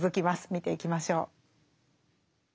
見ていきましょう。